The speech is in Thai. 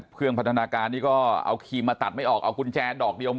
เครื่องพัฒนาการที่ก็เอามาตัดไม่ออกเอาดอกเดียว